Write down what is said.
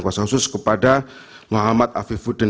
kuasa khusus kepada muhammad afifuddin